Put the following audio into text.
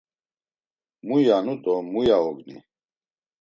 Muya’nu do muya ogni?